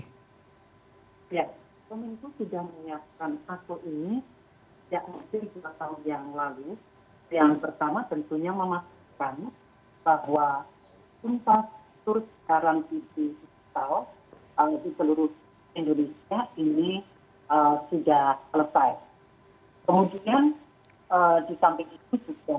ya kementerian komunikasi dan informatika sudah menyediakan aso ini